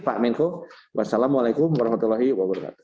pak menko wassalamualaikum warahmatullahi wabarakatuh